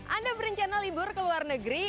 anda berencana libur ke luar negeri